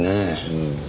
うん。